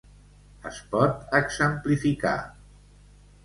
Es pot exemplificar.